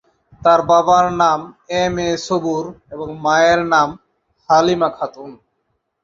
তার বাবার নাম এম, এ সবুর এবং মায়ের নাম হালিমা খাতুন।